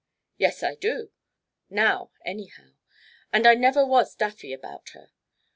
"Yes, I do now, anyhow; and I never was daffy about her.